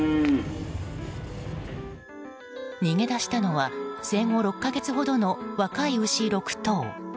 逃げ出したのは生後６か月ほどの若い牛６頭。